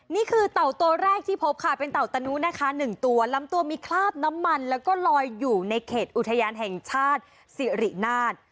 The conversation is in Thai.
เต่าตัวแรกที่พบค่ะเป็นเต่าตะนุนะคะ๑ตัวลำตัวมีคราบน้ำมันแล้วก็ลอยอยู่ในเขตอุทยานแห่งชาติสิรินาท